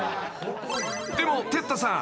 ［でも哲太さん